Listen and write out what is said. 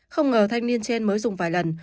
không ngờ thanh niên trên mới dùng vài lần